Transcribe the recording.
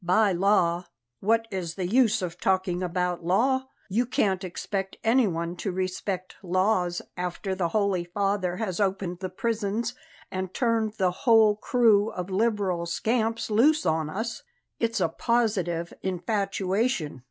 By law " "What is the use of talking about law? You can't expect anyone to respect laws after the Holy Father has opened the prisons and turned the whole crew of Liberal scamps loose on us! It's a positive infatuation!